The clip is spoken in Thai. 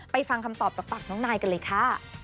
ฟังคำตอบจากปากน้องนายกันเลยค่ะ